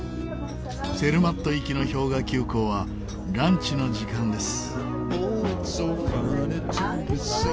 ツェルマット行きの氷河急行はランチの時間です。